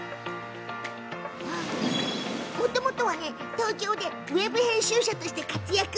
もともとは東京でウェブ編集者として活躍。